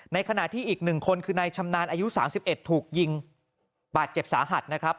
ขณะที่อีก๑คนคือนายชำนาญอายุ๓๑ถูกยิงบาดเจ็บสาหัสนะครับ